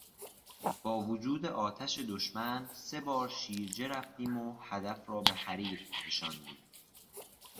با وجود آتش دشمن سه بار شیرجه رفتیم و هدف را به حریق کشاندیم.